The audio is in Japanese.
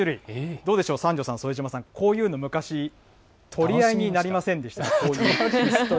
どうでしょう、三條さん、副島さん、こういうの昔、取り合いになりませんでした？